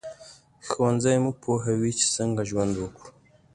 ښوونځی موږ پوهوي چې څنګه ژوند وکړو